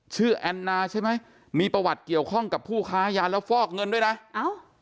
แอนนาใช่ไหมมีประวัติเกี่ยวข้องกับผู้ค้ายาแล้วฟอกเงินด้วยนะเอ้า